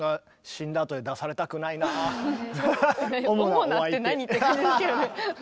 「主な」って何？って感じですけどね。